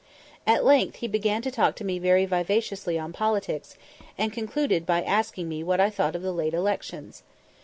At length he began to talk to me very vivaciously on politics, and concluded by asking me what I thought of the late elections.